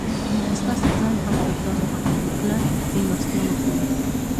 ستاسي ځان هم پر تاسو حق لري؛ کله مېلمستیا ورکوئ!